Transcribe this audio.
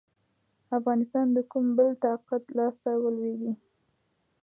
افغانستان د کوم بل طاقت لاسته ولوېږي.